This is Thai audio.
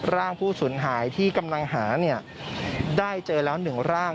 ร่างผู้สูญหายที่กำลังหาได้เจอแล้ว๑ร่าง